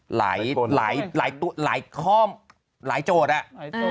หลายข้อหลายโจทย์อะ